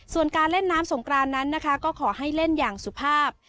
ส่วนการเล่นน้ำสงกรานนั้นนะคะก็ขอให้เล่นอย่างสุภาพ